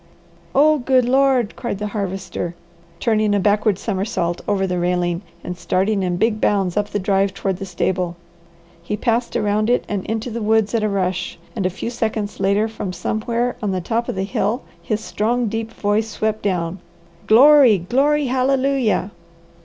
"Oh good Lord!" cried the Harvester, turning a backward somersault over the railing and starting in big bounds up the drive toward the stable. He passed around it and into the woods at a rush and a few seconds later from somewhere on the top of the hill his strong, deep voice swept down, "Glory, glory hallelujah!"